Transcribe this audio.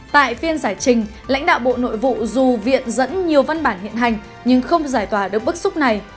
tại phiên giải trình lãnh đạo bộ nội vụ dù viện dẫn nhiều văn bản hiện hành nhưng không giải tỏa được bức xúc này